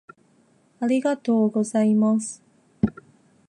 ありがとうございます